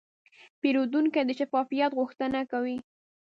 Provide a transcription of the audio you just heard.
پیرودونکی د شفافیت غوښتنه کوي.